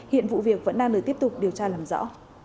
hiện vụ việc vẫn đang được tiếp tục điều tra làm rõ